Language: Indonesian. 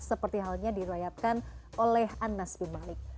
seperti halnya dirayatkan oleh anas bin malik